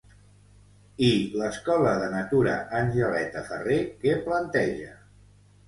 I l'Escola de Natura Angeleta Ferrer què planteja?